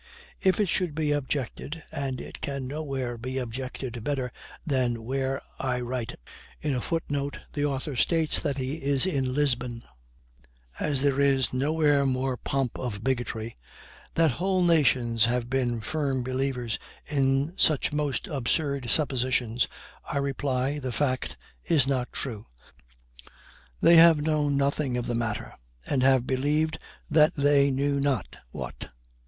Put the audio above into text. If it should be objected (and it can nowhere be objected better than where I now write, as there is nowhere more pomp of bigotry) that whole nations have been firm believers in such most absurd suppositions, I reply, the fact is not true. They have known nothing of the matter, and have believed they knew not what.